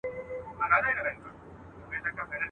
اوس په ساندو كيسې وزي له كابله.